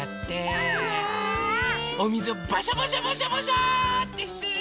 おみずをバシャバシャバシャバシャってしてるのかな？